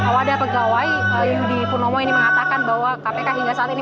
wadah pegawai yudi purnomo ini mengatakan bahwa kpk hingga saat ini